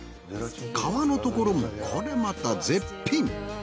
皮のところもこれまた絶品。